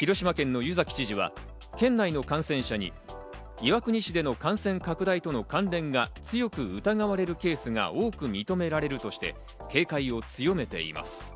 広島県の湯崎知事は県内の感染者に岩国市での感染拡大との関連が強く疑われるケースが多く認められるとして、警戒を強めています。